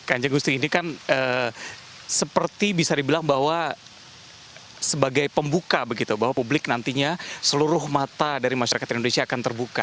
kanjeng gusti ini kan seperti bisa dibilang bahwa sebagai pembuka begitu bahwa publik nantinya seluruh mata dari masyarakat indonesia akan terbuka